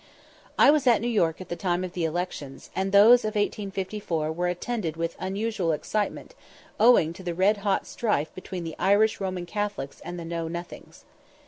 I was at New York at the time of the elections, and those of 1854 were attended with unusual excitement, owing to the red hot strife between the Irish Roman Catholics and the "Know nothings."